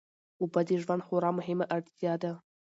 اوبه د ژوند خورا مهمه اړتیا ده.